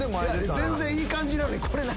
全然いい感じなのにこれ何？